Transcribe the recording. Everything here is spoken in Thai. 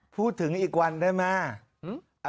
พูดถึงอีกวันได้ไหม